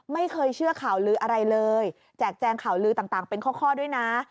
ไม่เคยเชื่อข่าวลืออะไรเลยแจกแจงข่าวลือต่างเป็นข้อด้วยนะ